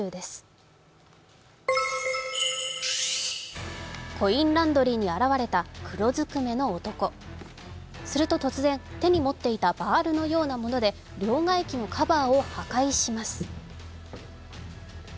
すると突然手に持っていたバールのようなもので両替機のカバーを破壊します。